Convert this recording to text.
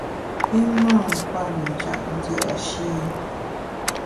I mâ nkwer i njap dia’shi.